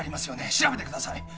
調べてください。